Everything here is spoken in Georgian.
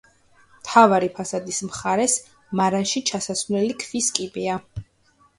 მთავარი ფასადის მხარეს მარანში ჩასასვლელი ქვის კიბეა.